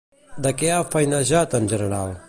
De què ha feinejat en general?